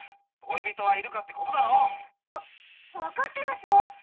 恋人はいるかってことだろ。わわかってますよ。